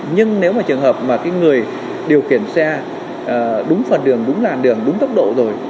nhưng nếu mà trường hợp mà cái người điều khiển xe đúng phần đường đúng làn đường đúng tốc độ rồi